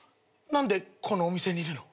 何でこのお店にいるの？